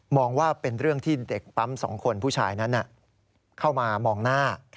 ว่าเป็นเรื่องที่เด็กปั๊ม๒คนผู้ชายนั้นเข้ามามองหน้า